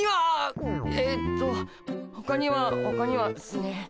えっとほかにはほかにはっすね